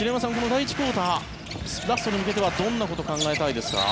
第１クオーターラストに向けてはどんなことを考えたいですか。